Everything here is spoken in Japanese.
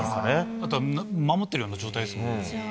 あとは守っているような状態ですもんね。